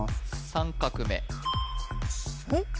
３画目・えっ？